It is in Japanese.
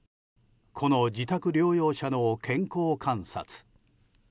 この自宅療養者の健康観察。